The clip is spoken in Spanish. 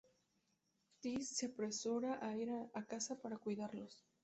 Tess se apresura a ir a casa para cuidarlos.